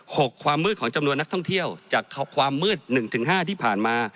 ความมืดของจำนวนนักท่องเที่ยวจากความมืดหนึ่งถึงห้าที่ผ่านมา